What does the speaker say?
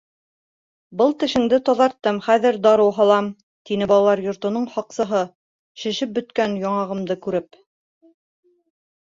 Был тешеңде таҙарттым, хәҙер дарыу һалам. — тине балалар йортоноң һаҡсыһы, шешеп бөткән яңағымды күреп.